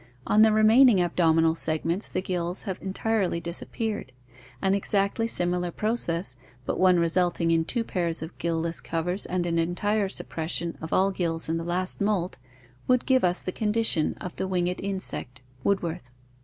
On the remaining abdominal segments the gills have entirely disappeared. An exactly similar process, but one resulting in two pairs of gill less covers and an entire suppression of all gills in the last molt, would give us the condition of the winged insect (Woodworth).